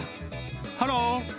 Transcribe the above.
ハロー。